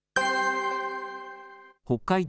北海道